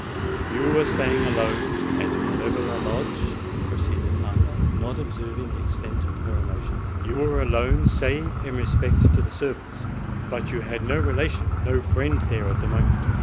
"You were staying alone at Mauleverer Lodge," proceeded Arthur, not observing the extent of her emotion; "you were alone, save in respect to the servants: but you had no relation—no friend there at the moment.